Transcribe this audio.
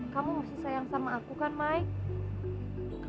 kamu masih sayang sama aku kan mike